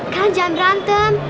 kan jangan rantem